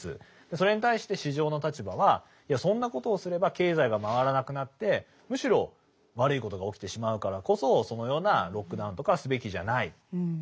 それに対して市場の立場はいやそんなことをすれば経済が回らなくなってむしろ悪いことが起きてしまうからこそそのようなロックダウンとかはすべきじゃない。